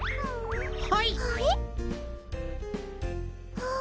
ああ。